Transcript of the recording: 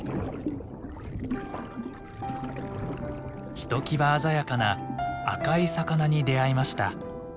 ひときわ鮮やかな赤い魚に出合いました。